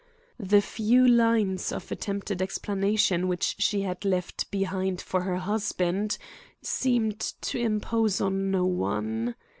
The few lines of attempted explanation which she had left behind for her husband seemed to impose on no one.